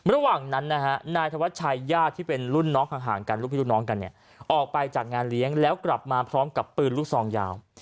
ระหว่างนั้นนายธวัฒน์ชายญาติที่เป็นลูกพี่ลูกน้องกันออกไปจากงานเลี้ยงแล้วกลับมาพร้อมกับปืนลูกทรองยาว